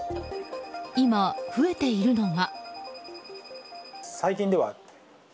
今、増えているのが。